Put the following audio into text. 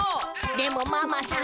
でもママさん